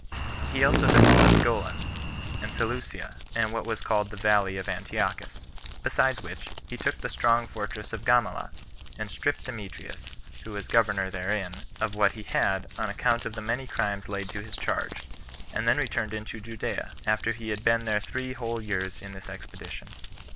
He also demolished Golan, and Seleucia, and what was called the Valley of Antiochus; besides which, he took the strong fortress of Gamala, and stripped Demetrius, who was governor therein, of what he had, on account of the many crimes laid to his charge, and then returned into Judea, after he had been three whole years in this expedition.